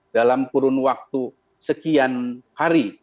dalam kurun waktu sekian hari